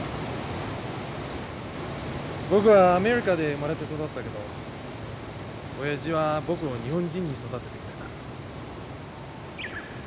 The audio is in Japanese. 僕はアメリカで生まれて育ったけど親父は僕を日本人に育ててくれた。